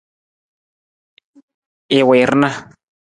I wii rana.